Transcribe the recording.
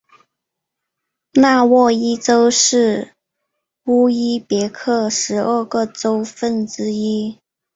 纳沃伊州是乌兹别克十二个州份之一。